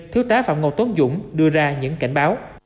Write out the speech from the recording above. thiếu tá phạm ngọc tốn dũng đưa ra những cảnh báo